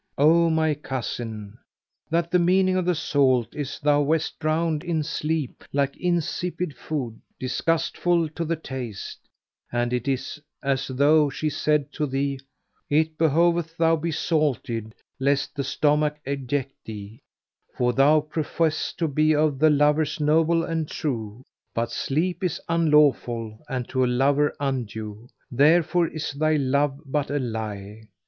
[FN#503] Know, O my cousin, that the meaning of the salt is thou west drowned in sleep like insipid food, disgustful to the taste; and it is as though she said to thee; 'It behoveth thou be salted lest the stomach eject thee; for thou professes to be of the lovers noble and true; but sleep is unlawful and to a lover undue; therefore is thy love but a lie.'